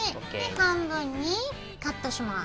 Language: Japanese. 半分にカットします。